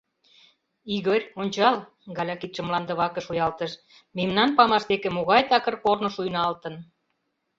— Игорь, ончал, — Галя кидшым мландываке шуялтыш, — мемнан памаш деке могай такыр корно шуйналтын.